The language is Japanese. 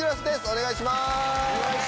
お願いします。